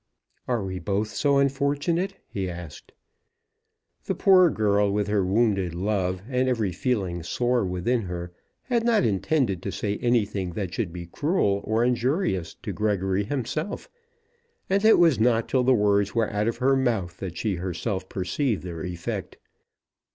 "Are we both so unfortunate?" he asked. The poor girl with her wounded love, and every feeling sore within her, had not intended to say anything that should be cruel or injurious to Gregory himself, and it was not till the words were out of her mouth that she herself perceived their effect.